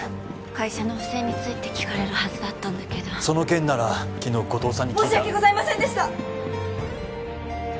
会社の不正について聞かれるはずだったんだけどその件なら昨日後藤さんに聞いた申し訳ございませんでした！